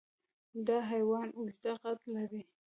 دا حیوان اوږده قد لري.